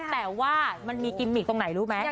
แต่ว่ามันมีกิมมิกตรงไหนรู้ไหม